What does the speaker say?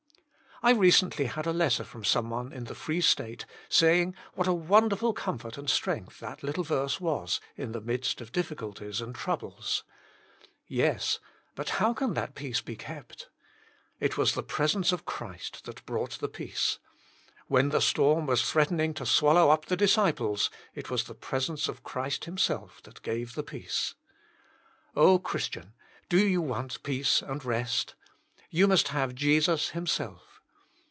I recently had a letter from some one in the Free State saying what a won derful comfort and strength that little verse was in the midst of difficulties and troubles. Yes; but how can that peace be kept? It was the presence of Christ that brought the peace. When the storm was threatening to swallow 32 Jesus Himself, up the disciples, it was the presence of Christ Himself that gave the peace. Oh! Christian, do you want peace and rest? You must have Jesus Him self.